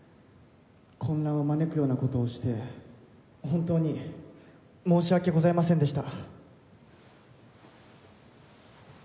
混乱を招くようなことをして本当に申し訳ございませんでした。